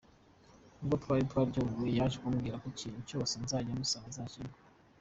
Ubwo twari twaryohewe yaje kumbwira ko ikintu cyose nzajya musaba azakimpa.